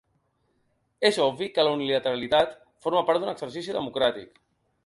És obvi que la unilateralitat forma part d’un exercici democràtic.